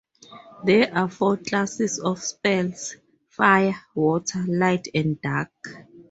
There are four classes of spells: fire, water, light, and dark.